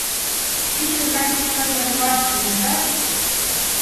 — Вичкыжрак керемжым ваш пунышаш!